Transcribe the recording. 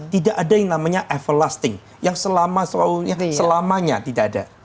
tidak ada yang namanya everlasting yang selamanya tidak ada